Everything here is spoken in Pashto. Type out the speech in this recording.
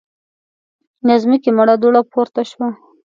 له ځمکې مړه دوړه پورته شوه.